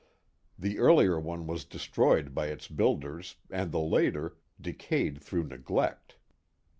The earlier one was destroyed by its builders, and the later, decayed through neglect.